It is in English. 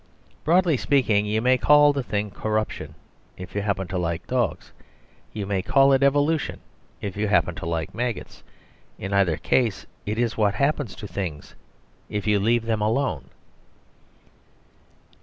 Broadly speaking, you may call the thing corruption, if you happen to like dogs. You may call it evolution, if you happen to like maggots. In either case, it is what happens to things if you leave them alone.